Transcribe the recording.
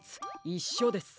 いっしょです。